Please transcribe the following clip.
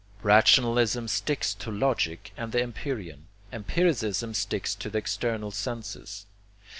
Rationalism sticks to logic and the empyrean. Empiricism sticks to the external senses.